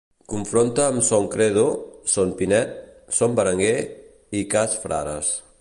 Confronta amb Son Credo, Son Pinet, Son Berenguer i Cas Frares.